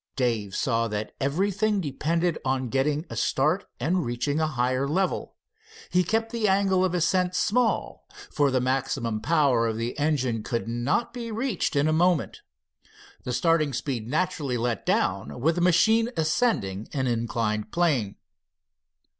Dave saw that everything depended on getting a start and reaching a higher level. He kept the angle of ascent small, for the maximum power of the engine could not be reached in a moment. The starting speed naturally let down with the machine ascending an inclined plane.